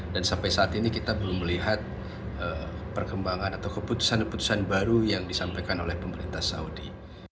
dan sampai saat ini kita belum melihat perkembangan atau keputusan keputusan baru yang disampaikan oleh pemerintah saudi